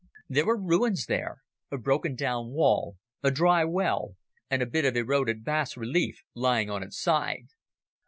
There were ruins there a broken down wall, a dry well and a bit of eroded bas relief lying on its side.